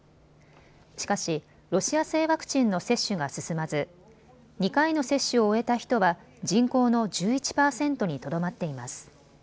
しかし、ロシア製ワクチンの接種が進まず２回の接種を終えた人は人口の１１％にとどまっています。